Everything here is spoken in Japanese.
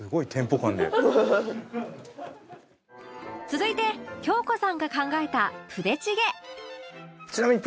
続いて京子さんが考えたプデチゲ